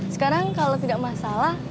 sekarang kalau tidak masalah